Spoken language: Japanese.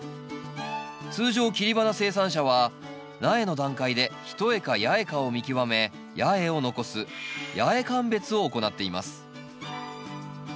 通常切り花生産者は苗の段階で一重か八重かを見極め八重を残す八重鑑別を行っています。